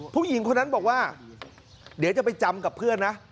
ผู้หญิงคนนั้นบอกว่าเดี๋ยวจะไปจำกับเพื่อนนะ